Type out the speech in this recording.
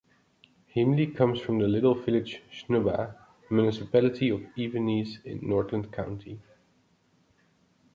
Heimly comes from the little village Snubba, municipality of Evenes in Nordland county.